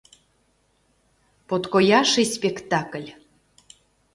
— Подкояшый спектакль...